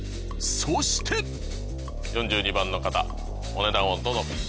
［そして］４２番の方お値段をどうぞ。